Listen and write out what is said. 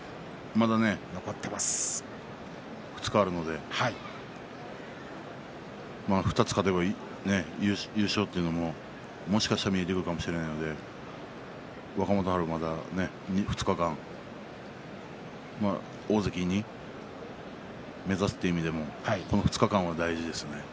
まだ２日あるので２つ勝てばね優勝というのも、もしかしたら見えてくるかもしれないので若元春まだ２日間大関を目指すという意味でもこの２日間が大事ですね。